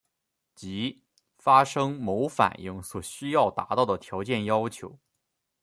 即发生某反应所需要达到的条件要求。